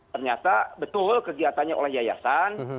ternyata betul kegiatannya oleh yayasan